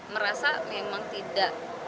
merasa memang tidak